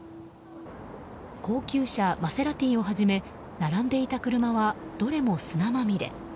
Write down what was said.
高級車マセラティをはじめ並んでいた車はどれも砂まみれ。